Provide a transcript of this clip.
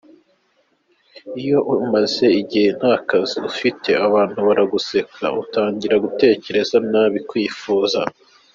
Iyo umaze igihe ntakazi ufite abantu baraguseka, utangira gutekereza nabi, kwifuza….